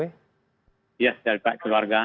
iya dari pihak keluarga